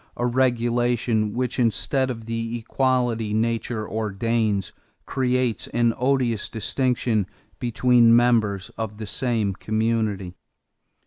A regulation which, instead of the equality nature ordains, creates an odious distinction between members of the same community